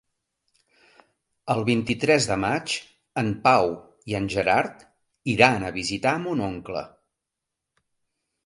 El vint-i-tres de maig en Pau i en Gerard iran a visitar mon oncle.